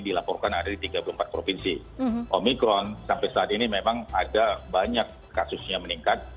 dilaporkan ada di tiga puluh empat provinsi omikron sampai saat ini memang ada banyak kasusnya meningkat